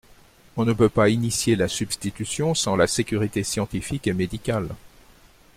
On ne peut pas initier la substitution sans la sécurité scientifique et médicale.